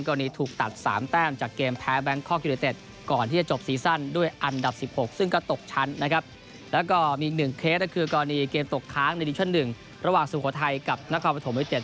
ก็ตกชั้นนะครับแล้วก็มีอีกหนึ่งเคสก็คือกรณีเกมตกค้างในชั่นหนึ่งระหว่างสุโขทัยกับนักความประถมวิเศษ